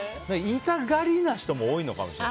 言いたがりな人も多いかも。